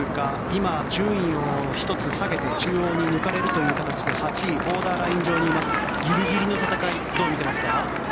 今、順位を１つ下げて中央に抜かれるという形で８位ボーダーライン上にいますがギリギリの戦いどう見ていますか？